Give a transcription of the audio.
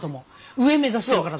上目指してるから。